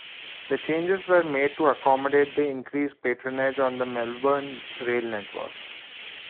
The changes were made to accommodate the increased patronage on the Melbourne rail network.